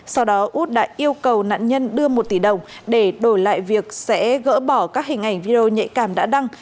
sau đó út đã yêu cầu nạn nhân đưa một tỷ đồng để đổi lại việc sẽ gỡ bỏ các hình ảnh video nhạy cảm đã đăng